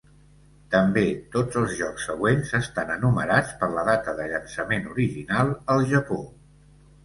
També, tots els jocs següents estan enumerats per la data de llançament original al Japó.